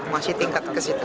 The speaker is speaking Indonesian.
masih tingkat ke situ